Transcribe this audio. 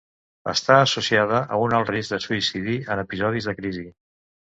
Està associada a un alt risc de suïcidi en episodis de crisi.